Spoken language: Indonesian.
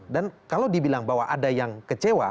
dan kalau dibilang bahwa ada yang kecewa